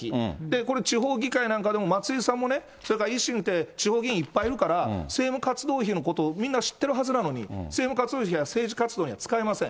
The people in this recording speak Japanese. これ、地方議会なんかでも、松井さんもね、それから維新って、地方議員いっぱいいるから、政務活動費のことをみんな知ってるはずなのに、政務活動費は政治活動には使えません。